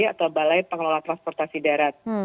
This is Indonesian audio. atau balai pengelola transportasi darat